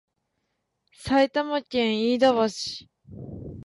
埼玉県飯田橋